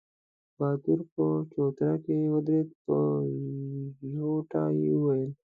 باتور په چوتره کې ودرېد، په زوټه يې وويل: